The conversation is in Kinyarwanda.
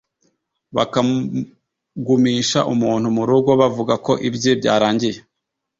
bakagumisha umuntu mu rugo bavuga ko ibye byarangiye